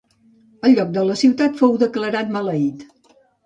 El lloc de la ciutat fou declarat maleït.